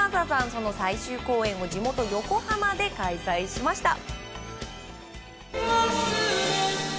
その最終公演を地元・横浜で開催しました。